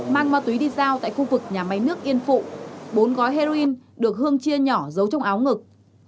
mang ma túy đi giao tại khu vực nhà máy nước yên phụ bốn gói heroin được hương chia nhỏ giấu trong áo ngực